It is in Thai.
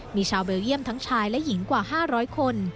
มีชาวเบลเยี่ยมทั้งชายและหญิงกว่า๕๐๐คน